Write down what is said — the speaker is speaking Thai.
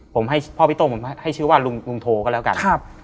ผมให้พ่อพี่โต้งผมให้ชื่อว่าลุงโทก็แล้วกัน